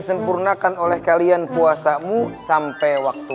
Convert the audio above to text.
sempurnakan oleh kalian puasamu sampai waktu